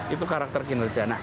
itu karakter kinerja